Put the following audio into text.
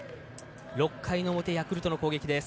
６回の表ヤクルトの攻撃です。